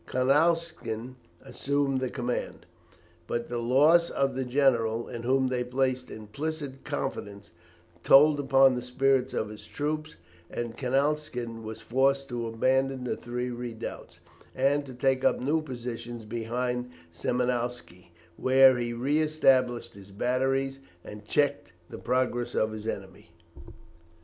Konownitsyn assumed the command, but the loss of the general, in whom they placed implicit confidence, told upon the spirits of his troops, and Konownitsyn was forced to abandon the three redoubts, and to take up a new position behind Semianotsky, where he re established his batteries and checked the progress of the enemy.